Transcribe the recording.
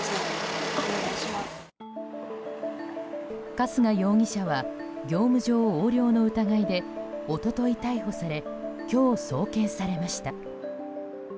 春日容疑者は業務上横領の疑いで一昨日逮捕され今日、送検されました。